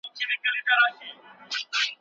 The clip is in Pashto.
په ټولنیزو چارو کي به برخه اخلئ.